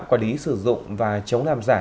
quả lý sử dụng và chống làm giả